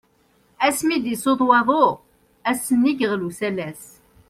Asmi i d-yessuḍ waḍu, ass-nni mi yeɣli usalas.